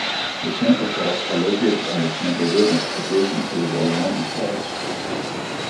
The Chandler Falls are located on the Chandler River, adjacent to the Wollomombi Falls.